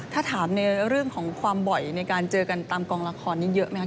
ถ้าถามในเรื่องของความบ่อยในการเจอกันตามกองละครนี้เยอะไหมครับ